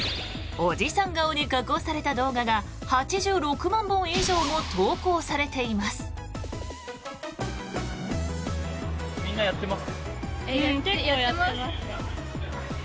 おじさん顔に加工された動画が８６万本以上も投稿されています。